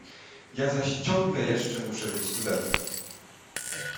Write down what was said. "Ja zaś ciągle jeszcze muszę być studentem!"